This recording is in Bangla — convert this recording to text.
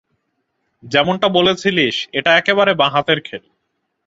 যেমনটা বলেছিলিস, এটা একেবারে বাঁ-হাতের খেল।